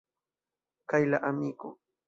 Kaj la amiko!